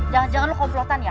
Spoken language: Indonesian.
jangan jangan lo komplotan ya